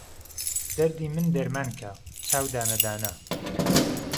دهردی من دهرمان کهن، چاو دانهدانه